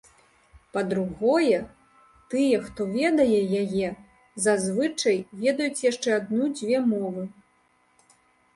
Па-другое, тыя, хто ведае яе, зазвычай ведаюць яшчэ адну-дзве мовы.